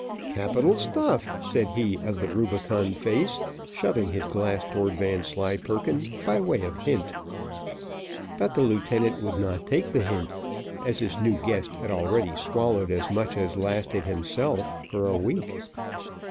"Capital stuff!" said he of the rubicund face, shoving his glass towards Vanslyperken, by way of hint; but the lieutenant would not take the hint, as his new guest had already swallowed as much as lasted himself for a week.